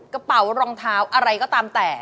กระเป๋ารองเท้าอะไรก็ตามแต่